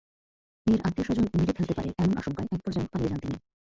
মেয়ের আত্মীয়স্বজন মেরে ফেলতে পারে এমন আশঙ্কায় একপর্যায়ে পালিয়ে যান তিনি।